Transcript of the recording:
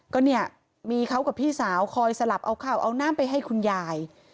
ก็เนี่ยมีเขากับพี่สาวคอยสลับเอาข้าวเอาน้ำไปให้คุณยาย